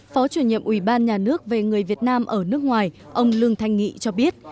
phó chủ nhiệm ủy ban nhà nước về người việt nam ở nước ngoài ông lương thanh nghị cho biết